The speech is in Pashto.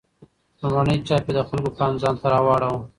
لومړنی چاپ یې د خلکو پام ځانته راواړاوه.